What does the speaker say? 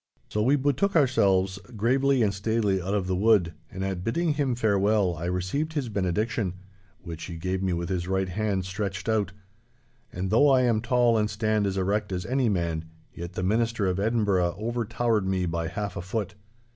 So we betook ourselves gravely and staidly out of the wood, and at bidding him farewell I received his benediction, which he gave me with his right hand stretched out. And though I am tall and stand as erect as any man, yet the Minister of Edinburgh overtowered me by half a foot.